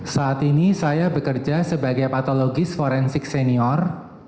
saat ini saya bekerja sebagai pathologist forensic senior